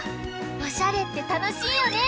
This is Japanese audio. おしゃれってたのしいよね！